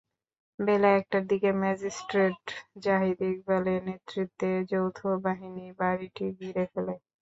বেলা একটার দিকে ম্যাজিস্ট্রেট জাহিদ ইকবালের নেতৃত্বে যৌথবাহিনী বাড়িটি ঘিরে ফেলে।